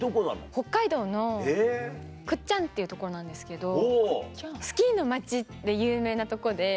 北海道の倶知安っていう所なんですけどスキーの町で有名なとこで。